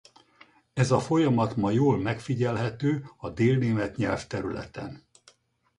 Ez a folyamat ma jól megfigyelhető a délnémet nyelvterületen.